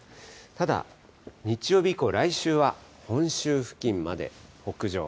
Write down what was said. ただ、日曜日以降、来週は本州付近まで北上。